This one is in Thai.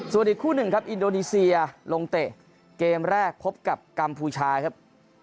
ส่วนอีกคู่หนึ่งครับอินโดนีเซียลงเตะเกมแรกพบกับกัมพูชาครับ